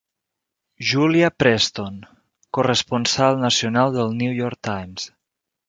Julia Preston, corresponsal nacional del New York Times.